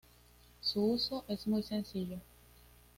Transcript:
Su uso es muy sencillo.